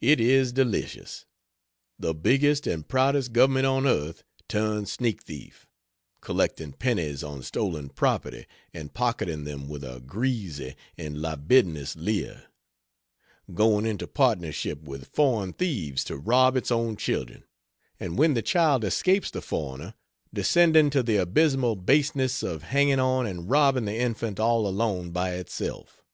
It is delicious. The biggest and proudest government on earth turned sneak thief; collecting pennies on stolen property, and pocketing them with a greasy and libidinous leer; going into partnership with foreign thieves to rob its own children; and when the child escapes the foreigner, descending to the abysmal baseness of hanging on and robbing the infant all alone by itself!